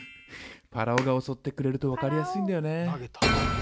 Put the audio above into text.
ぱらおが襲ってくれると分かりやすいんだよね。